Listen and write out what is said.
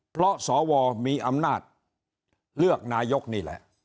เพราะสวมีอำนาจเลือกนายกนี่แหละ